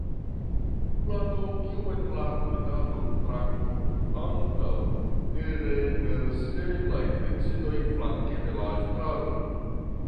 Plano kiun la komitato traktu antaŭ nerenverseblaj decidoj flanke de la estraro.